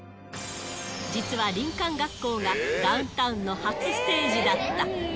実は林間学校が、ダウンタウンの初ステージだった。